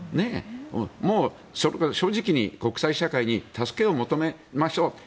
もう正直に国際社会に助けを求めましょうと。